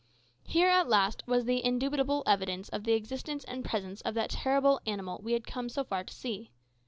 Here at last was the indubitable evidence of the existence and presence of the terrible animal we had come so far to see.